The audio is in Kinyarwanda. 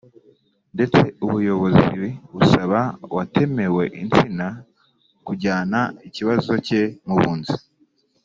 ndetse ubuyobozi busaba uwatemewe insina kujyana ikibazo cye mu bunzi